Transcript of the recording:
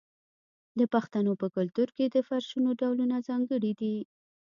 د پښتنو په کلتور کې د فرشونو ډولونه ځانګړي دي.